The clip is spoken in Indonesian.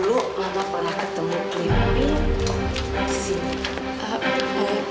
dulu mama pernah ketemu pimpin di sini